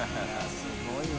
すごいわ。